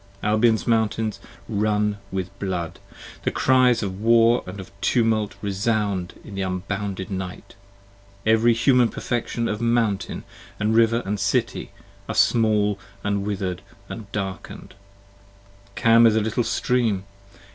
Albion's mountains run with blood, the cries of war & of tumult Resound into the unbounded night, every Human perfection Of mountain & river & city, are small & wither'd & darken'd. Cam is a little stream!